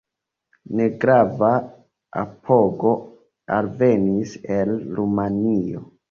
Negrava apogo alvenis el Rumanio.